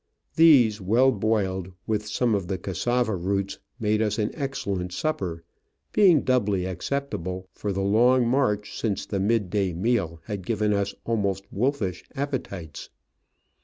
These, well boiled with some of the cassava roots, made us an excellent supper, being doubly acceptable, for the long march since the mid day meal had given us almost wolfish appetites.